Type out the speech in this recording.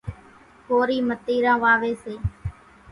ڪورِي متيران واويَ سي۔